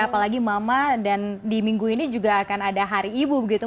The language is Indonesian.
apalagi mama dan di minggu ini juga akan ada hari ibu begitu